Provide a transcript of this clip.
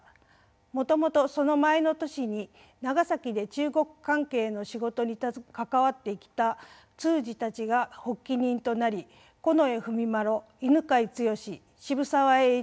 もともとその前の年に長崎で中国関係の仕事に関わってきた通詞たちが発起人となり近衛文麿犬養毅渋沢栄一